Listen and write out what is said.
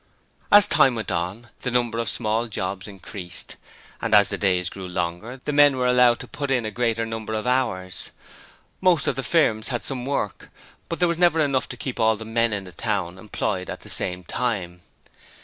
As time went on, the number of small jobs increased, and as the days grew longer the men were allowed to put in a greater number of hours. Most of the firms had some work, but there was never enough to keep all the men in the town employed at the same time.